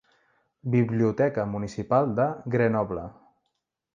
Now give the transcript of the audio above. Biblioteca Municipal de Grenoble.